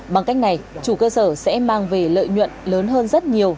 bằng cách này chủ cơ sở sẽ mang về lợi nhuận lớn hơn rất nhiều